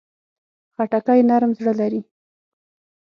خټکی نرم زړه لري.